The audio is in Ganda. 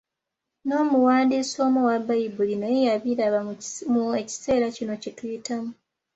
N'omuwandiisi omu owa Bbayibuli naye yabiraba mu ekiseera kino kye tuyitamu.